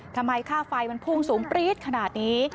ค่าไฟมันพุ่งสูงปรี๊ดขนาดนี้